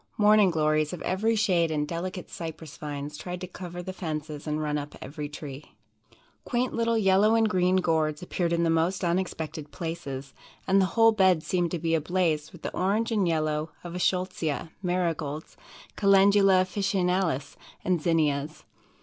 Morning Glories of every shade and delicate Cypress vines tried to cover the fences and run up every tree. Quaint little yellow and green Gourds appeared in the most unexpected places, and the whole bed seemed to be ablaze with the orange and yellow of the Eschscholtzia, Marigolds, Calendula Officinalis and Zinnias.